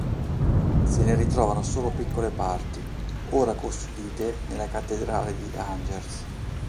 Se ne ritrovarono solo piccole parti, ora custodite nella cattedrale di Angers.